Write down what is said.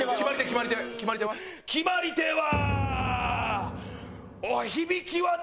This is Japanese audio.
決まり手は。